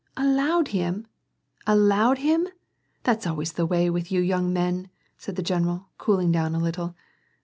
" Allowed him ? Allowed him ? That's always the way with you young men, " said the general, cooling down a little.